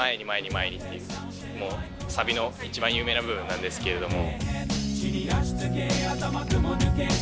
もうサビの一番有名な部分なんですけれども。